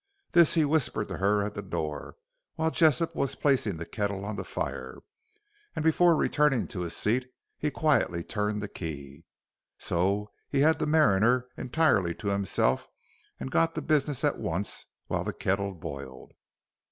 This he whispered to her at the door, while Jessop was placing the kettle on the fire, and before returning to his seat, he quietly turned the key. So he had the mariner entirely to himself and got to business at once while the kettle boiled.